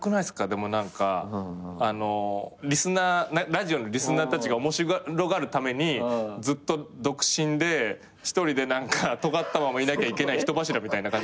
でも何かラジオのリスナーたちが面白がるためにずっと独身で一人でとがったままいなきゃいけない人柱みたいな感じになるんじゃ。